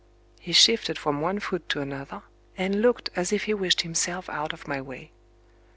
He shifted from one foot to another, and looked as if he wished himself out of my way.